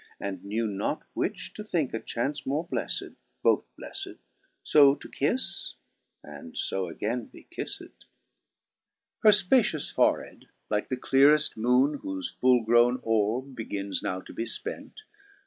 And knew not which to thinke a chance more blefled, Both bleffed fo to kifle, and fo agayne be kifled. 3 Her fpacious fore head, like the cleareft moone Whofe fuU growne orbe begins now to be fpent.